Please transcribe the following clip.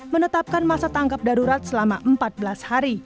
menetapkan masa tanggap darurat selama empat belas hari